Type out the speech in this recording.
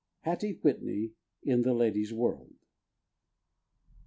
—Hattie Whitney in The Ladies' World.